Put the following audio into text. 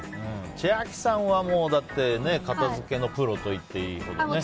千秋さんはもう片付けのプロと言っていいほどね。